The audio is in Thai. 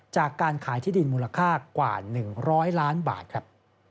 จากการขายที่ดินมูลค่ากว่า๑๐๐ล้านบาทครับ